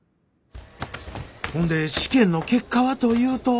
ほんで試験の結果はというと。